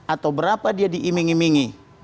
atau berapa dia diiming imingi